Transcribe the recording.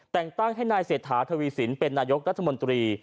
แต่งตั้งให้นายเศรษฐาทวีสินเป็นนายกรัฐมนตรี